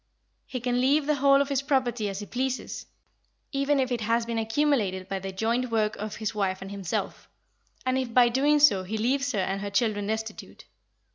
He can leave the whole of his property as he pleases, even if it has been accumulated by the joint work of his wife and himself, and if by doing so he leaves her and her children destitute.